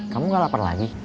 kamu gak lapar lagi